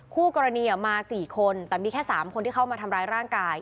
คู่กรณีมา๔คนแต่มีแค่๓คนที่เข้ามาทำร้ายร่างกาย